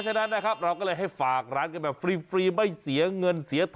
ชื่อว่าร้านนายหัวกาแฟสดเนี่ย